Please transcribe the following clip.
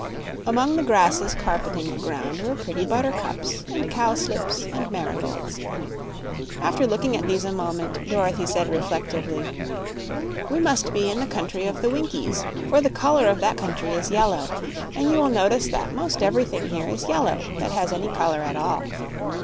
Among the grasses carpeting the ground were pretty buttercups and cowslips and marigolds. After looking at these a moment Dorothy said reflectively: "We must be in the Country of the Winkies, for the color of that country is yellow, and you will notice that 'most everything here is yellow that has any color at all."